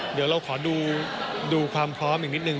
เดี๋ยวเราขอดูความพร้อมอีกนิดนึ